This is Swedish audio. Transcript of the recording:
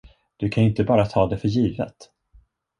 Du kan ju inte bara ta det för givet.